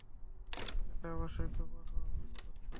এটা অবশ্যই খুব অস্বাভাবিক পদক্ষেপ।